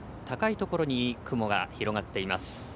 高いところに雲が広がっています。